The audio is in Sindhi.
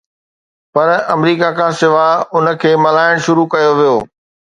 پر آمريڪا کان سواءِ ان کي ملهائڻ شروع ڪيو ويو.